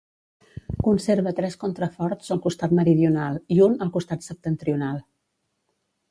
Conserva tres contraforts al costat meridional i un al costat septentrional.